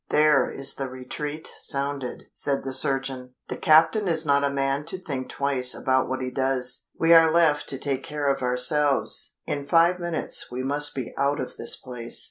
"There is the retreat sounded!" said the surgeon. "The captain is not a man to think twice about what he does. We are left to take care of ourselves. In five minutes we must be out of this place."